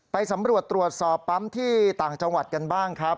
ไปสำรวจตรวจสอบปั๊มที่ต่างจังหวัดกันบ้างครับ